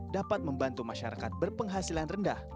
dapat membantu masyarakat berpenghasilan rendah